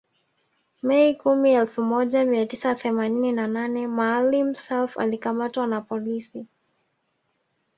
Mei kumi elfu moja mia tisa themanini na nane Maalim Self alikamatwa na polisi